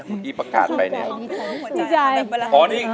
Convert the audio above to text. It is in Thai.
พี่ตาลต้องใจเย็นนะคะ